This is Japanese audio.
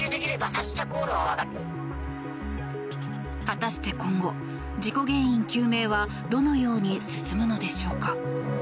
果たして今後事故原因究明はどのように進むのでしょうか。